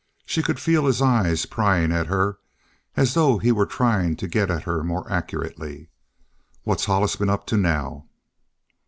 She could feel his eyes prying at her as though he were trying to get at her more accurately. "What's Hollis been up to now?"